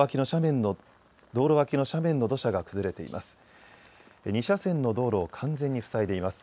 道路脇の斜面の土砂が崩れています。